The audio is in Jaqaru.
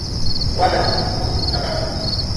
Walachn ujtqamata